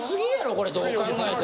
これどう考えても。